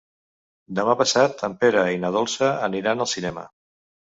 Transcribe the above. Demà passat en Pere i na Dolça aniran al cinema.